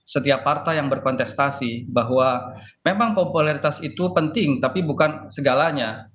setiap partai yang berkontestasi bahwa memang popularitas itu penting tapi bukan segalanya